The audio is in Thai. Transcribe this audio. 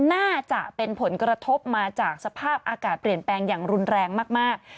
น่าจะเป็นผลกระทบมาจากสภาพอากาศเปลี่ยนแปลงอย่างรุนแรงมาก